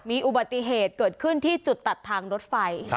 มีอุบัติเหตุเกิดขึ้นที่จุดตัดทางรถไฟ